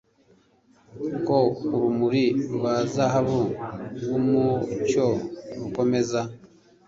ko urumuri rwa zahabu rwumucyo rukomeza